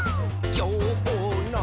「きょうの」